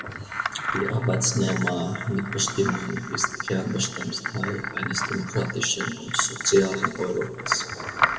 Die Arbeitnehmermitbestimmung ist Kernbestandteil eines demokratischen und sozialen Europas.